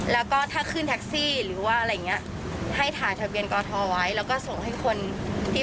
แล้วก็ถ้าขึ้นแท็กซี่หรือว่าอะไรอย่างนี้